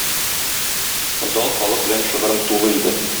Зал халык белән шыгрым тулы иде.